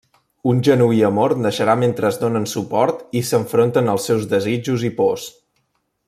Un genuí amor naixerà mentre es donen suport i s'enfronten als seus desitjos i pors.